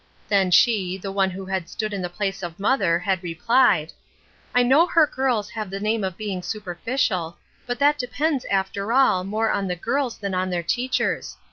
Then she, the one who had stood in the place of mother, had replied :—" I know her girls have the name of being super ficial, but that depends, after all, more on the girls than on their teachers.